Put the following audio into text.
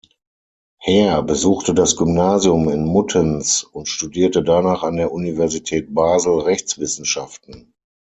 Heer besuchte das Gymnasium in Muttenz und studierte danach an der Universität Basel Rechtswissenschaften.